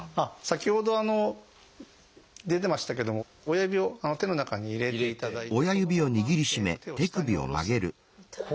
先ほど出てましたけども親指を手の中に入れていただいてそのまま手を下に下ろす。